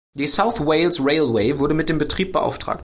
Die South Wales Railway wurde mit dem Betrieb beauftragt.